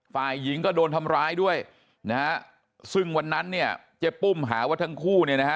ฝ่ายหญิงก็โดนทำร้ายด้วยนะฮะซึ่งวันนั้นเนี่ยเจ๊ปุ้มหาว่าทั้งคู่เนี่ยนะฮะ